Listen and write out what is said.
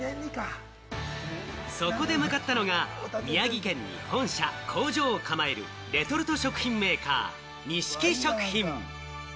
そこで向かったのが、宮城県に本社、工場を構えるレトルト食品メーカー・にしき食品。